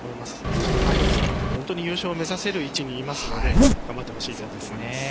そしてファイナルの優勝を目指せる位置にいますので頑張ってほしいと思います。